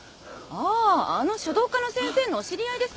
あの書道家の先生のお知り合いです。